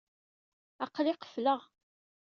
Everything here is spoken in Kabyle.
Aql-i qefleɣ.